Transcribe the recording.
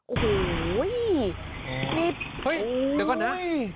โอ้โหเดี๋ยวก่อนนะ